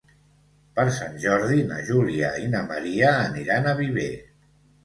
Per Sant Jordi na Júlia i na Maria aniran a Viver.